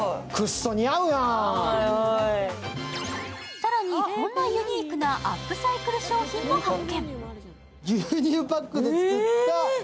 更に、こんなユニークなアップサイクル商品も発見。